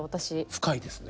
深いですね。